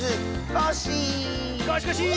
コシコシー！